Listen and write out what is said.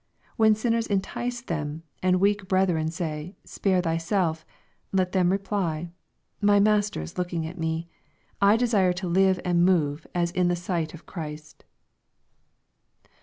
When sinners entice them, and weak brethren say, " Spare thyself/' let them reply, " My Master is looking at me. I desire to live and move as in the sight of Christ."